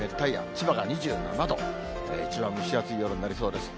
千葉が２７度、一番蒸し暑い夜になりそうです。